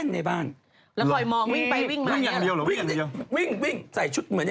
ใส่ชุดเป็นเฟย์บอย่างเกี่ยวกับชุดกระต่าย